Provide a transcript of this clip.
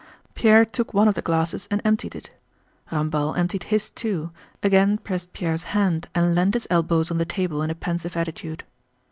Pierre took one of the glasses and emptied it. Ramballe emptied his too, again pressed Pierre's hand, and leaned his elbows on the table in a pensive attitude.